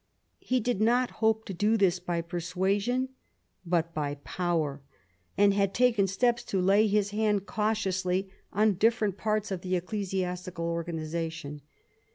He did not hope to do this by persuasion, but by power, and had taken steps to lay his hand cautiously on different parts of the ecclesiastical organisation.